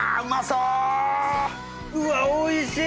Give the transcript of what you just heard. うわおいしい！